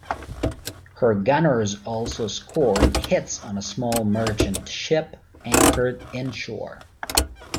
Her gunners also scored hits on a small merchant ship anchored inshore.